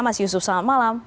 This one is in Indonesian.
mas yusuf selamat malam